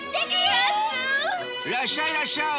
らっしゃいらっしゃい！